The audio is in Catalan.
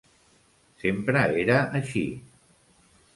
Sempre era així.